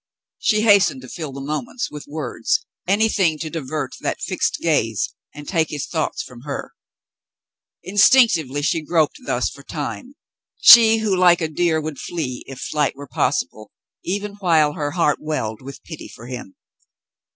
She hastened to fill the moments with words, anything to divert that fixed gaze and take his thoughts from her. Instinctively she groped thus for tinie, she who like a deer would flee if flight were possible, even while her heart welled with pity for him.